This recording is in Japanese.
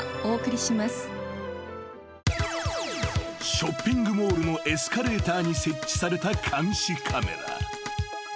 ［ショッピングモールのエスカレーターに設置された監視カメラ］